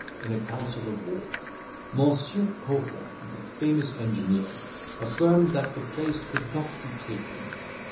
In a council of war, Monsieur Cohorn, the famous engineer, affirmed that the place could not be taken."